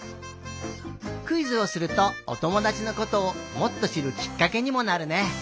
クイズをするとおともだちのことをもっとしるきっかけにもなるね。